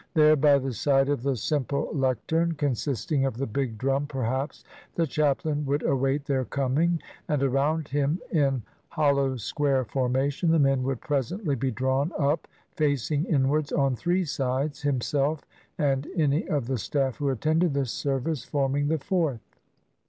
There, by the side of the simple lectern, consisting of the big drum, perhaps, the chap lain would await their coming, and around him, in hol low square formation, the men would presently be drawn up facing inwards on three sides, himself and any of the staff who attended the service forming the fourth.